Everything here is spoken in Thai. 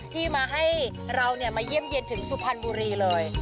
ที่มาให้เรามาเยี่ยมเย็นถึงสุพรรณบุรีเลย